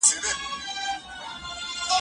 کندارۍ ملالې داسې ورځې راغلې